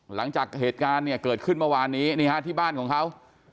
หลังจากเหตุการณ์เนี่ยเกิดขึ้นเมื่อวานนี้ที่บ้านของเขา